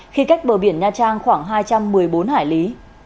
khi cách bờ biển nha trang khoảng hai trăm một mươi bốn hải lý